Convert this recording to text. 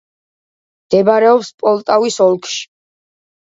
მდებარეობს პოლტავის ოლქში.